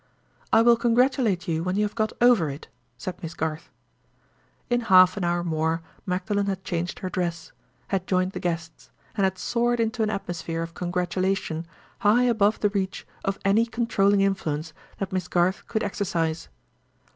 "I will congratulate you when you have got over it," said Miss Garth. In half an hour more Magdalen had changed her dress; had joined the guests; and had soared into an atmosphere of congratulation high above the reach of any controlling influence that Miss Garth could exercise.